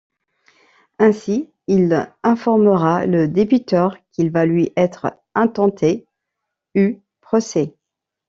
Ainsi, il informera le débiteur qu'il va lui être intenté u procès.